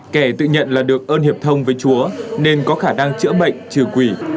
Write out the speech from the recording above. kẻ tự nhận là được ơn hiệp thông với chúa nên có khả năng chữa bệnh trừ quỷ